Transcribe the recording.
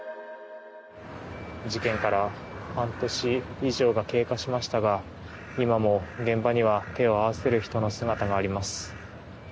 事件から半年以上が経過しましたが今も現場には手を合わせる人の姿があります。